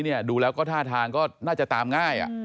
วิวลองขาย